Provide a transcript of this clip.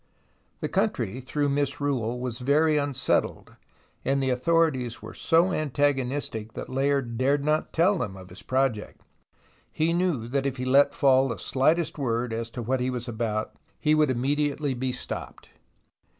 The country, through misrule, was very unsettled, and the authorities were so antagonistic that Layard dared not tell them of his project. He knew that if he let fall the slightest word as to what he was about, he would immediately be stopped.